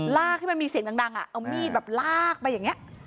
ให้มันมีเสียงดังเอามีดแบบลากไปอย่างนี้